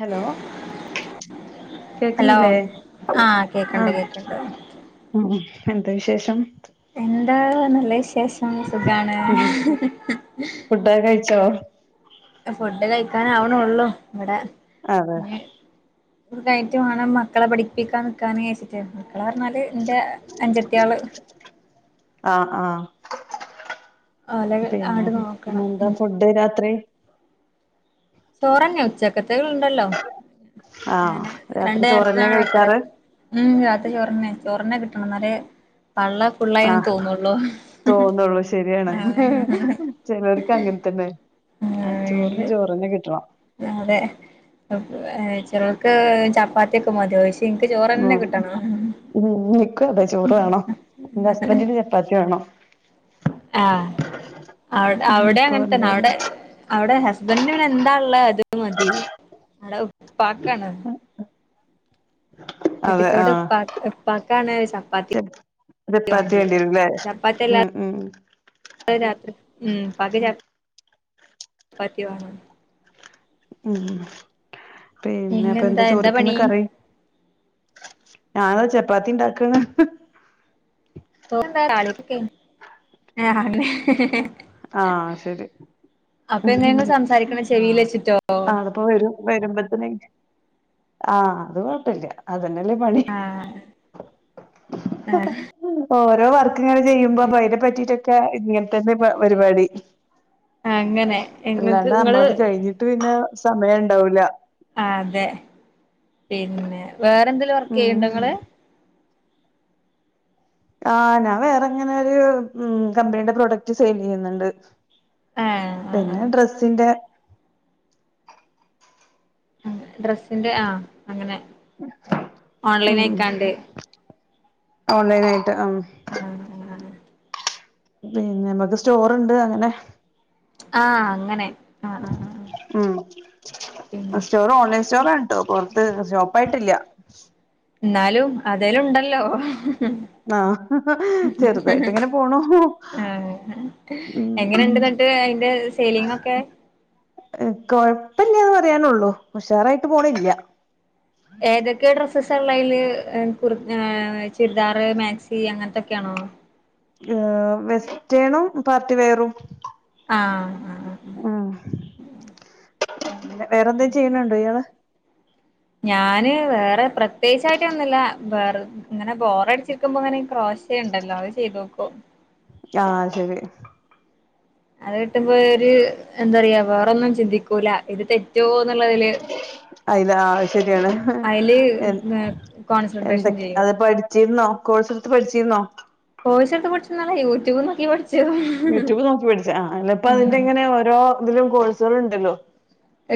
Hello hello കേൾക്ക്ന്നില്ലേ ആഹ് കേക്കണ്ട് ആഹ് കേക്കണ്ട് എന്ത വിശേഷം എന്താ നല്ല വിശേഷം സുഖാണ് ഉം ഹ് ഹ് ഹ് ഫുഡൊക്കെ കഴിച്ചോ ഫുഡ് കഴിക്കാനാവ്ണോള്ളു വടെ അതെ ത് കൈറ്റ് വാണം മക്കളെ പടിപ്പിക്കാ നിക്കാന്ച്ച്ട്ടാണ് ർണ്ണല് എന്റെ അഞ്ചത്തി ആള്- ആഹ് ആഹ് പിന്നെ അങ്ങട്ട് നോക്കണം എന്താ ഉം ഫുഡ് രാത്രി ചോറന്നെ ഉച്ചക്കത്തകൾത്തണ്ടല്ലോ ആഹ് അങ്ങനെ രാത്രി രണ്ട് ദിവസം ചോറന്നെ നേരത്തിനണ് വെക്കര കഴിക്കാറ് ഉം രാത്രി ചോർന്നേ ചോറെന്നെ കിട്ടണംന്നാലെ പള്ള ഫുള്ളായിന്ന് ആഹ് തോന്നള്ളൂ തോന്നുള്ളൂ ശരിയാണ് അഹ് ചിലർക്ക് അങ്ങനെ തന്നെ ആഹ് ഇത് ചോറിന് ചോറ്ന്നെ കിട്ടണം അതെ ചിലൾക്ക് ചപ്പാത്തിയക്കെ മതിയാവ ഉ ഉ [unintelligible] നിക്കു അതെ ചോറ് വേണോ എന്റെ ഹസ്ബൻറിന്റെ ചപ്പാത്തി വേണോ ആഹ ഉം അവിടെ ഇപ്പൊ അങ്ങനെ തന്നെ എന്തായാലും അവിടെ അവിടെ ഹസ്ബന്ഡ ഇങ്ങനെ എന്താണള്ള അത് മതി അട ഉപ്പാക്കാണ് അതെ ആഹ് കെട്ടിച്ചോടെപ്പ ഉപ്പാക്കാണ് ചപ്പാത്തി അതെപ്പാത്തി വാണ്ടിയെ വേണ്ടിരുംല്ലേ ചപ്പാത്തി ഉം അല്ലാതെ ഉ രാത്രി ഉം [unintelligible] ഉം പിന്നെ അപ്പൊ എന്താ പിന്നെന്താ ചോറിക്കന്ന് പണി കറി ഞാന ചപ്പാത്തി ഉണ്ടാക്ക [inaudible] [unintelligible] ആഹ ശരി അപ്പൊ എങ്ങനെ ഇങ്ങൾ സംസാരിക്കണെ ചെവിയിൽ വെച്ചിട്ടോ ആ അതപ്പോ വരും വരുമ്പോത്തന് ആ് അത് കുഴപ്പില്ല തന്നല്ലേ പണി ആഹ് ഓരോ വർക്ക് ഇങ്ങനെ ചെയ്യുമ്പോ അപ്പൊ അതിനെ പറ്റിയിട്ടൊക്കെ ഇങ്ങനെതന്നെ പരിപാടി അങ്ങനെ ഇങ്ങക്ക് അല്ലാണ്ട് ഇങ്ങള് നമ്മളത് കഴിഞ്ഞിട്ട് പിന്നെ സമയം ഉണ്ടാവല അതെ പിന്നെ വേറെന്തേങ്കലും വർക്ക് ഉം ചെയ്യണ്ട നിങ്ങള് ആ ഞാൻ വേറെങ്ങനെ ഒരു കമ്പനിയുടെ പ്രൊഡക്റ്റ് സെയിൽ ചെയ്യുന്നുണ്ട് ആഹ് ആഹ് പിന്നെ ഡ്രസ്സിന്റെ ഡ്രെസ്സിന്റെ ആ അങ്ങനെ ഓൺലൈൻ അയക്കാണ്ട് ഓൺലൈന ആയിട്ട് ആ ആഹ് ആഹ് പിന്നെ നമക്ക് സ്റ്റോറുണ്ട് അങ്ങനെ ആഹ് അങ്ങനെ ആഹ് ആഹ് ആഹ് ഉം പിന്നെ സ്റ്റോറ ഓൺലൈൻ സ്റ്റോറണ് കേട്ടോ പുൊറത്ത് ഷോപ്പ ആയിട്ടില്ല എന്നാലും അതേലും ഉണ്ടല്ലോ ആഹ് ചെറുതായിട്ട് ഇങ്ങനെ പോണു ആ ഉം എങ്ങനെണ്ട് എന്നട്ട് അതിന്റെ സെലിങ്ങൊക്കെ കൊഴപ്പില്ലന്ന് പറയാനുള്ളൂ ഉഷാറായിട്ട് പോണില്ല ഏതൊക്കെ ഡ്രസ്സസ് ഉള്ള അതില് ചുരിദാർ മാക്സി അങ്ങനത്തെക്കെ ആണോ വെസ്റ്റേണും പാർട്ടി വേറും ആഹ് ആഹ് പിന്നെ വേറെ എന്തേും ചെയ്യണണ്ടോ ഇയാള് ഞാന് വേറെ പ്രത്യേകിച്ചായിട്ട് വന്നില്ല വേറെ ഇങ്ങനെ ബോറടിച്ചിരിക്കുമ്പോ അങ്ങനെ ക്രോശ ഉണ്ടല്ലോ അത് ചെയ്തോക്കോ ആഹ് ശരി അത് കിട്ടുമ്പോ ഒരു എന്താ പറയാ വേറൊന്നും ചിന്തിക്കൂല ഇത് തെറ്റ് റ്റോ എന്നുള്ളതില് അയില്ല ശരിയാണ് അതില് [unintelligible] കോൺസെൻട്രേഷൻ ചെയ്യും അതിപ്പോ അടിച്ചിരുന്നോ കോഴ്സ് എടുത്ത് പഠിച്ചിരുന്നോ കോഴ്സെടുത്ത് പഠിച്ചല്ല യൂട്യൂബ് നോക്കി പഠിച്ചു യൂട്യൂബ് നോക്കി പിടിച്ച അല്ലപ്പ അതിന്റെ ഉം ഇങ്ങനെ ഓരോ ഇതിലും കോഴ്സുകള ഉണ്ടല്ലോ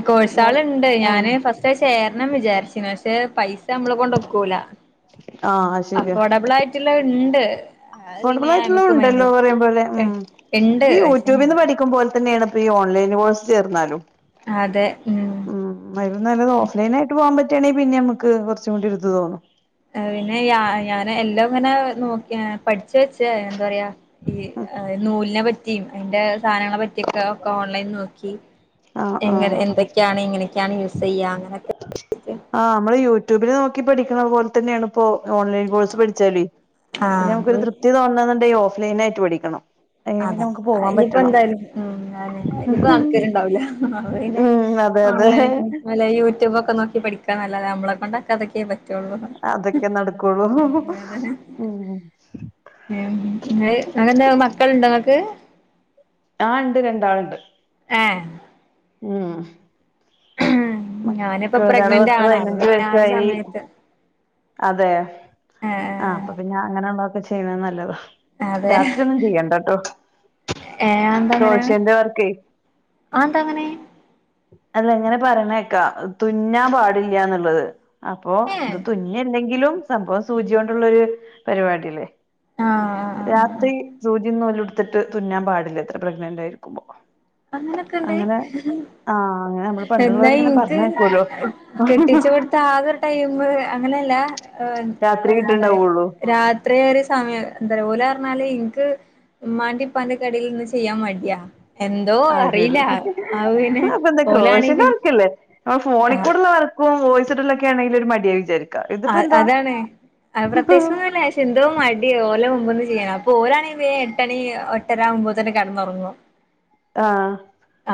കോഴസാള ഇണ്ട് ആഹ് ഞാന് ഫസ്റ്റ് ചേരണം വിചാരിച്ചിന് പക്ഷെ പൈസ നമ്മളെ കൊണ്ടൊക്കൂല ആഹ് അഫോർഡബിൾ ആയിട്ടുള്ള ഉണ്ട് അത് പിന്നെ നമുക്ക് അഫോഡബിളായിറ്റ്ള്ളതും ണ്ടല്ലോ മൈൻഡ് പറീമ്പോലെ ഉം ഉണ്ട് ഈ പക്ഷെ ഞാൻ ഊറ്റൂബിന്ന് പഠിക്കുമ്പോൽതന്നേണ് ഈ ഓൺലൈൻകൊയ്‌സിൽ ചേർന്നാലും ഉം അതില്നല്ലത് ഓഫ്ലൈനായിട്ട് പോവാമ്പ പറ്റാണെങ്കിപിന്നമ്മക്ക് കൊറച്ചൂടിഒരിത് തോന്നും അത്പിന്നെ യാ ഞാനെല്ലോങ്ങനെ നോക്കി എ പഠി ചേച് ന്തറയാ ഈ നൂൽനെ പറ്റി ഇതിന്റെ സാനങ്ങളെ പറ്റിയൊക്കെ ഒക്കെ ഓൺലൈൻ നോക്കി ആഹ് എങ്ങനെ ആഹ് എ എന്തൊക്കെയാണ് എങ്ങനെക്കെയാണ് യൂസെയ്യ അങ്ങനൊക്കെ യൂട്യൂബിൽനോക്കി പഠിക്കണ പോൽതന്നെണോ? പ്പോ ഓൺലൈൻകോഴ്സ് പഠിച്ചാല് പിന്നമ്മക്കൊരു ആഹ് തൃപ്തി തോന്നണന്നുണ്ടെ ഓഫ്‌ലൈൻ ആയിട്ട് പഠിക്കണം. അതിന് ആ പിന്നെ നമുക്ക് പോവാൻ പറ്റണം അത്ഞ്ഞിപ്പോന്തായാലും ഉം അയിഞ്ഞിപ്പോ നടക്കലിണ്ടാവൂല്ല. അ ആ ഉം അതെ നമ്മല്ലെപിന്ന്യ അതെ ഓൺലൈൻ അല്ലേ യൂട്യൂബൊക്കെ നോക്കി പഠിക്കാനല്ലതാ അമ്മള കൊണ്ടക്കതക്കെ പറ്റു അതൊക്കെ നടക്കോള്ളൂ ഹ്ഹ്ഹ് അതെ ഉം. ഉം [unintelligible] മക്കള്ണ്ടോങ്ങക്ക്? ആ ണ്ട് രണ്ടാള്ണ്ട്. എഹ്. ഉം ഹ്മ്മ് ഞാനിപ്പോ മക്കൾ ഒരാള് പത്ത് പ്രെഗ്നന്റാണ് അത് പതിനഞ്ച് പിന്നെ ആ ഒരു വയസ്സായി സമയത്ത് അതെ ആ ഏഹ് അപ്പപിന്നെ അങ്ങനള്ളൊക്കെ ചിയ്യണേ നല്ലത്. രാത്രിയൊന്നും ചിയ്യണ്ട ട്ടോ. ഏ അന്തങ്ങനെ? ആന്തങ്ങനെ? അല്ലങ്ങനെ പറീണേക്ക തുന്നമ്പാടില്ല്യന്ന്ള്ളത്. അപ്പോത് ഏഹ് തുന്നിയെന്തെങ്കിലും സംഭവം സൂചിയോണ്ടുള്ളൊരു പരിവാട്യല്ലേ. ആഹ് ആഹ് ആഹ് രാത്രി സൂചിന്നൂലുട്ത്ട്ട് തുന്നാമ്പാടില്ലത്രേ പ്രെഗ്നന്റായിരിക്കുമ്പോ. അങ്ങനൊക്കെണ്ട് ഹ്ഹഹ്ഹ ആഹ് അങ്ങനെ നമ്മള് എന്നാ പണ്ടുള്ളവരിങ്ങനെ ഇൻക്ക് പറഞ്ഞേക്കുവല്ലോ കെട്ടിച്ചോടുത്ത ആകൊരു ടൈമ് അങ്ങൻ ങ്ങനല്ല ഹ് ആ രാത്രി ആ പറെ കിട്ടുണ്ടാവുള്ളൂ രാത്രിഒര് സംമേംന്തറയ ഞാലെൻക്ക് മ്മാന്റിപ്പാന്റയൊക്കെടീല്ന്ന് ചിയ്യമ്മട്യ. അയ്ശേരി ഹ്ഹഹ്ഹ ആപ്പെന്ത ഓലാണെ പിന്നെ ക്രോഷൻ്റെവർക്കല്ലേ? ആ ആഹ് ഫോണിക്കൂടള്ള വർക്കും വോയിസ്സുട്ടുള്ളൊക്കെണെങ്കിലൊരു മട്യവിചരിക്കും. അ അതാണ് അപ്രത്യേച്ചോന്നല്ല ശെന്തോ മടി ഓലമു മ്പിന്ന് ചെയ്യണേ അപ്പൊരാണേ വേം എട്ടണി എട്ടരവുമ്പതന്നെ കെടന്നൊറങ്ങും. ആഹ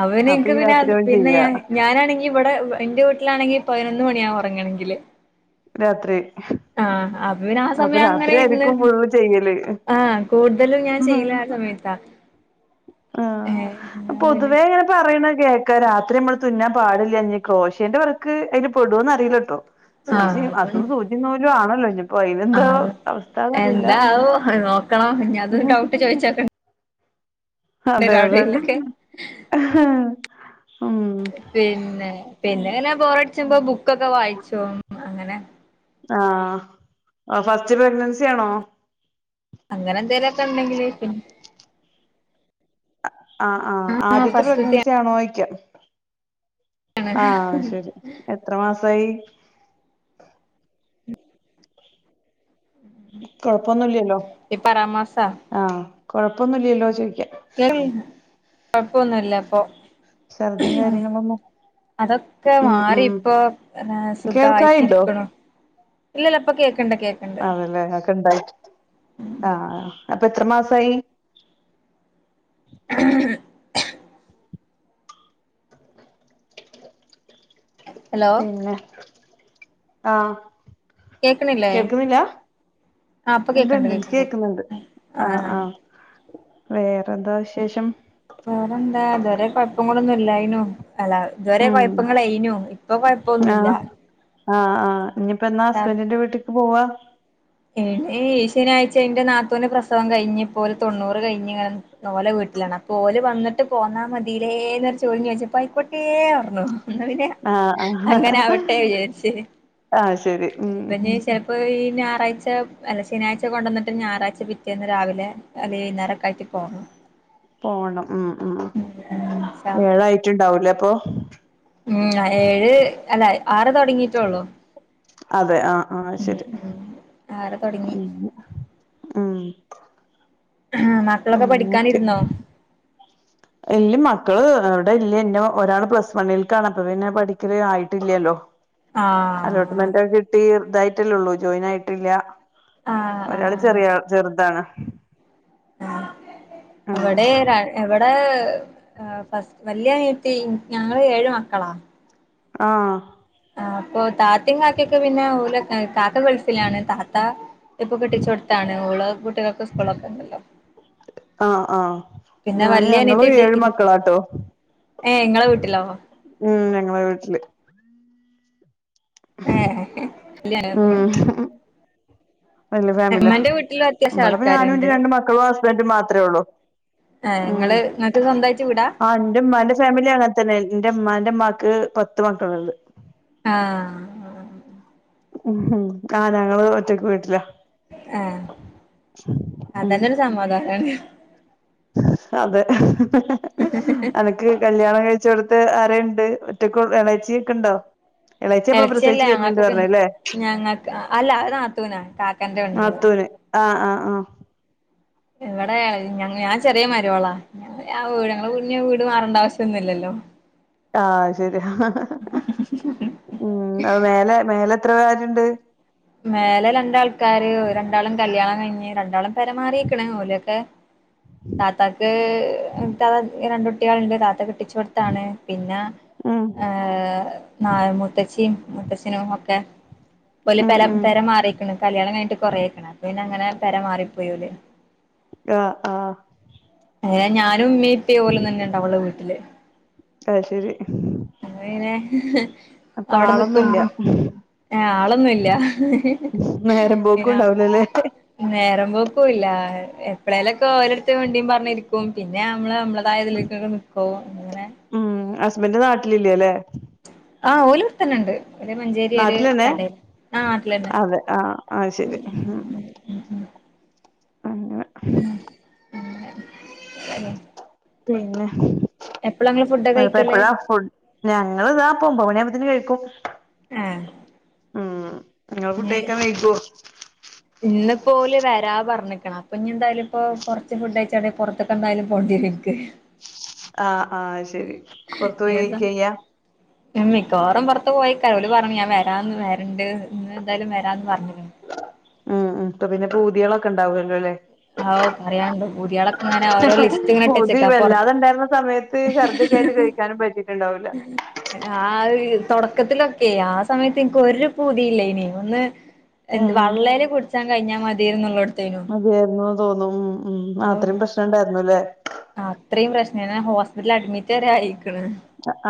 അവനെ ൻക്ക് പിന്നെ ആ പിന്നെ ഞാനാണെങ്കി ഇവടെ ന്റെ വീട്ടിലാണെങ്കി പയ്നൊന്ന് മണിയാവൊറങ്ങണങ്കില് രാത്രി ഹ്ഹ്മ് അപ്പൊ പിന്നെ ആ അപ്പ സമയം അങ്ങനെ ഇരുന്ന് രാത്രിയായിരിക്കും ഫുള്ള് ചെയ്യല് ആഹ് കൂടുതലും ഞാൻ മ്മ്ഹ്. ചെയ്യല് ആ സമയത്താ ആഹ ഏഹ് പിന്നെ പൊതുവേ. ങ്ങനെ പറീണെകേക്കാ രാത്രി മ്മൾ തുന്നാമ്പാടില്ല ഞ്ഞി ക്രോശേന്റെ വർക്ക് അയ്ല് പെടോന്നറീല്ലട്ടോ. ആഹ് സൂചീ അതും അതുസൂചിന്നൂലുആണല്ലോ ഞ്ഞി പ്പോയ്നെന്താ ആഹ് അത് അവസ്ഥന്നറീല്ല എന്താവോ നോക്കണം ഇനി അതും ഡൗട്ട് മഹ്ഹ്ഹ്ഹ് ചോദിച്ചോക്കണ്ടി വരും അതെഅതെ അവിടെയിലൊക്കെ ആഹ്. പിന്നെ പിന്നെങ്ങനെ ബോറട്ച്ച്ചുമ്പോ ബുക്കൊക്കെ വായ്ച്ചും അങ്ങനെ. ആഹ് അ ഫസ്റ്റ് പ്രഗ്നൻസി ആണോ? അങ്ങനെന്തേലൊക്കെണ്ടങ്കില് പി ആ് ആ ആ ആഹ് ആദ്യത്തെ ഫസ്റ്റ്ത്തെ പ്രഗ്നൻസി ആണൊയ്ക്ക? ആഹ് ശരി എത്ര മാസായി? [inaudible] കൊഴപ്പൊന്നുല്ല്യേലോ ഈ പറാമാസ ആഹ് കൊഴപ്പൊന്നുല്ല്യേലോ ചോയ് [unintelligible] കുഴപ്പോന്നില്ലിപ്പോ. ശർദ്ധിം കാര്വങ്ങള് ഒന്നും. അതൊക്കെ മാറി ഇപ്പോ കേൾക്കായിണ്ടോ സുഖമായിട്ടിരിക്കണോ ഇല്ലല്ല ഇപ്പൊ കേക്കണ്ട് കേക്കണ്ട് അതല്ലേ ഒക്കെണ്ടായി ആ അപ്പൊ എത്ര മാസായി? [unintelligible] ഹലോ പിന്നെ ആ. കേക്കണില്ലേ? ആ ഇപ്പൊ ഇണ്ട് കേക്കണ്ട് ഇണ്ട് കേക്കണ്ട് കേക്കുന്നുണ്ട് ആ ആ വേറെന്താ വിശേഷം [unintelligible] ഇല്ലായിനും അല്ല ഇതുവരെ ഉം കൊഴപ്പങ്ങളയ്നു ഇപ്പൊ കൊഴപ്പൊന്നുമല്ല ആ ആ ഇനിപ്പോ എന്നാ ഹസ്ബൻഡറിന്റെ വീട്ടേക്ക് പോവാ ഈ ശനിയാഴ്ച ഇന്റെ നാത്തൂന്റെ പ്രസവം കഴിഞ്ഞ് ഇപ്പോലെ തൊണ്ണൂറ് കഴിഞ്ഞ്ങ്ങനെ ഓലെ വീട് വീട്ട്ലാണ് അപം ഓല് വന്ന്ട്ട് പോന്നാമതീലേന്നൊര് ചോദ്യം ചോയ്ച്ചപം ആയികോട്ടന്നർഞു ന്നാ പിന്നെ ആഹ് അങ്ങനാവട്ടെ ആഹ് വിചാരിച്ച് ആഹ് ശരി ഉം പിന്നേം ചെലപ്പോ ഈ ഞായറാഴ്ച അല്ല ശനിയായ്ച കൊണ്ടോന്ന്ട്ട് ഞായറാഴ്ച പിറ്റേന്ന് രാവിലെ അല്ലെ വൈകുന്നേരൊക്കാ യിട്ട് പോണം പോണം മ്മ് മ്മ് ഉം ഉം ഏഴായിട്ടുണ്ടാവൂലേ അപ്പൊ മ്മ് ഏഴ് അല്ല ആറ് തൊടങ്ങീട്ടൊള്ളു അതെ ആ ആ ശരി ആറ് തൊടങ്ങി മ്മ് ആ മക്കളൊക്കെ ഓക്കെ പഠിക്കാനിരുന്നോ എല്ല് മക് മക്കള് ഇവാടെ ഇല്ല ഒരാള് പ്ലസ് വണ്ണിൽകാണ് അപ്പൊ പിന്നെ പഠിക്കല് ആയിട്ടില്ലല്ലോ ആഹ് അലോട്ട്മെന്റൊക്കെ കിട്ടി ഇതായിട്ടല്ലേള്ളൂ ജോയിൻ ആയിട്ടില്ല ആഹ് ഒരാള് ആഹ് ചെറിയ ചെറുതാണ് ആ ആഹ് എവടെ രൺ എവട് [unintelligible] വല്ല്യനിയത്തി ഞങ്ങള് ഏഴ് മക്കളാ ആ ആ അപ്പൊ തത് താത്തിം കാക്കയൊക്കെ പിന്നെ ഓലൊകായ് കാക്ക ഗൾഫിലാണ് താത്ത ഇപ്പൊ കെട്ടിച്ചോടത്താണ് ഓള് കുട്ടികൾ കുട്യാക് സ്കൂളൊകെണ്ടല്ലോ ആ ആ ഞാന് വല്യ അനിയത്തി ഞങ്ങളും ഏഴ് ഡിഗ്രി മക്കളാട്ടോ ഏ ങ്ങളെ വീട്ടിലോ ഉം ഞങ്ങളെ വീട്ടില് ഏ [unintelligible] വല്ല്യ ഫാമിലിയാ ഇമ്മന്റെ വീട്ടിലും അത്യാവശ്യം ഇവടെ ഇപ്പ ഞാനും ആൾക്കാരുണ്ട് ഇൻ്റെ രണ്ട് മക്കളും ഹസ്ബൻറും മാത്രേ ഉള്ളൂ ഏ ഇങ്ങള് മ്മ് ഇങ്ങക്ക് സ്വന്തായിട്ട് വീടാ ആ ഈന്റെമ്മാന്റെ ഫാമിലി അങ്ങൻ തന്നെ ഇൻ്റേമ്മാൻ്റ് ഇന്റെമ്മാൻ്റെമ്മാക് പത്ത് മാക്കള്ണ്ട് ആ ആ മ്മ് ആ ഞങ്ങള് ഒറ്റക്ക് വീട്ട്ലാ ആ ഉം അതെന്നൊര് സമാദാനാണ് അതെ അനക്ക് കല്യാണം കഴിച് ച്ചോട്ത്ത് ആരേണ്ട് ഒറ്റക്ക് ഏളേച്ചി ഒക്കെ ഇണ്ടോ ഏളച്ചിയല്ലാ ഞങ്ങൾക്കൊക്കെ ഞങ്ങക്ക് അല്ല അ നാത്തൂനാ കാക്കന്റെ പെണ്ണ്ങ്ങള് നാത്തൂന് ആ ആ ആ ഇവിടെ ഞ ഞാൻ ചെറിയ മരോളാ ഞ് ആ വീട് ഞങ്ങള് ഇഞാവീട് മാറണ്ടാവശ്യൊന്നുല്ലല്ലോ ആ ശരിയാ മ്മ് ളേലെ മേലെ എത്ര പേരുണ്ട് മേലെ രണ്ടാൾക്കാര് രണ്ടാളും കല്യാണം കഴിഞ്ഞ് രണ്ടാളും പെരമാറിക്കണ് ഓലൊക്കെ താത്തക്ക് താ രണ്ട കുട്ടികളുണ്ട് താത്തക്ക് കെട്ടിച്ചോടുത്താണ് പിന്നെ ഉം നായമുത്തച്ചിയും മൂത്തച്ഛനും ഒക്കെ ഉം പ ഉം പെരമാറിക്കണ് കല്യാണം കിട്ട് കൊറേക്കണ അപ്പൊ പിന്നെ അങ്ങനെ പരമാറിപ്പോയല്ലേ ആ ആ ഏ ഞാനും ഉമ്മേ ഇപ്പെ പോലും തന്നെുണ്ട് അവളെ വീട്ടില് ആയ് ശരി അങ്ങനെ അപ്പൊ ആളൊന്നുല്ല എഹ് ആളൊന്നുല്ല നേരം പോക്കും പിന്ന ഉണ്ടാവൂലല്ലേ നേര വൊകുല്ല എ എപ്പളേലൊക്കെ ഓരോട്‌ത്ത വണ്ടിം പാ നിക്കും അങ്ങനെ ബന്റ് നാട്ടിലില്ലല്ലേ? ആ ഓല് വട്ത്തെന്നണ്ട്. നാട്ടിലന്നെ നാട്ടിലന്നെ അതെ ആഹ് ആഹ് ശെരി. ഉം അങ്ങനെ ഉം പിന്നെ എപ്പളാ ഇങ്ങള് ഫുഡൊക്കെ ന്നപ്പ കഴിക്കല് എപ്പഴാ ഫുട് ഞങ്ങള് ഇതാ പ്പൊ ഒമ്പ മണിയാമ്പൊത്ത്ന് കഴിക്കും. ഏഹ് ഉം ഇങ്ങള് ഫുഡയ്ക്കാൻ വൈകോ പ്പോല് വരാ പർഞ്ഞ്ക്ക്ണ്. അപ്പൊ ഞ്ഞ് എന്തായാലും ഇപ്പൊ കൊർച്ച് ഫുഡയ്ച്ചാലെ പൊർത്ത്ക്ക് എന്തായാലും പോണ്ട്യരും ൻക്ക്. ആഹ് ആഹ് ശെരി പൊർത്തോയി ഏതാ കഴിക്കായ്യ? മിക്കവാറും പൊർത്ത് പോയിക്ക ഓല് പർഞ്ഞ് ഞൻ വരാന്ന് വരണ്ട് ന്ന് എന്തായാലും വരാന്ന് പർഞ്ഞ്ക്ക്ണ്. പൂതിയളൊക്കെ ണ്ടാവും അല്ലേ ലേ. അവ് പറയാണ്ടോ പൂതിയള ഇങ്ങനെ ഓരോ ലിസ്റ്റ് ഇങ്ങനെ പൂതി ഇട്ടച്ചക്കാ പൊർത്ത് വല്ലാതെ ഉണ്ടായിരുന്ന സമയത്ത് ഛർദിയൊക്കെ ആയിട്ട് കഴിക്കാനും പറ്റിയിട്ടുണ്ടാവൂല ആഹ് തൊടക്കത്തിലൊക്കെ ആ സമയത്ത് ഇൻക്ക് ഒരു പൂതിയില്ലേനി. ഒന്ന് എന്ത് ആഹ് വള്ളേല് കുട് ച്ചാൻ കഴിഞ്ഞാ മതിയേന്നള്ളോ മതിയെന്ന് തോന്നും. ഉം അത്രയും പ്രശ്നം ഉണ്ടായിരുന്നുല്ലേ അത്രിം പ്രശ്നേന്ന് ഞാ ഹോസ്പിറ്റല് അഡ്മിറ്റ് വരെ ആയ്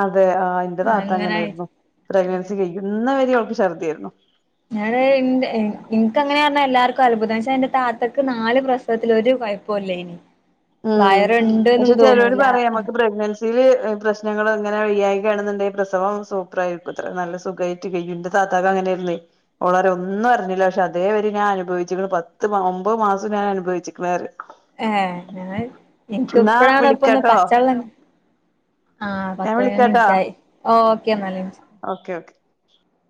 അതെ ആഹ് ഇന്റെ താത്ത അങ്ങനെ അങ്ങനേര്ന്നു. പ്രഗ്നൻസി കയ്യുന്ന വരേ ഓ ക്ക് ശർദ്ധിയായ്രുന്നു. ഞാന് ഇൻക്കങ്ങനേർഞ്ഞ എല്ലാർക്കും അത്ഭുതം ശേ ന്റെ താത്തക്ക് നാല് പ്രസവത്തില് ഒരു കൊയ്പ്പൊല്ലേനി. ഉം പക്ഷെ ചെിലോര് പറയും നമക്ക് പ്രഗ്നൻസി ല് പ്രശ്നങ്ങള് ഇങ്ങനെ വയ്യായ്ക ആണ്ന്ന്ണ്ടെങ്കി പ്രസവം സൂപ്പറായിരിക്കുത്രേ നല്ല സുഖായിട്ട് കെയ്യും ഇൻ്റെ ത താത്താക്ക് അങ്ങനേര്ന്ന്വെയ് ഓളറ്യ ഒന്നും അറിഞ്ഞില പക്ഷേ അതേ വരിം ഞാൻ അനുഭവിച്ച്ക്ക്ണ് പത്ത് മാ ഒമ്പത് മാസും ഞാ നനുഭവിക്ക്ണ് അറ്യ ഏഹ് ഞാന് ഇൻക്ക് ഇപ്പഴാണ് ഇപ്പൊ ഒന്ന് വിളിക്കാട്ടോ പച്ചെള്ള ആഹ് ഞാൻ പത്ത് വിളിക്കാട്ടോ പയ്നൊന്ന്ൻറ്റായി ഓക്കെ ഇന്നാല് ഇൻഷാ ഓക്കെ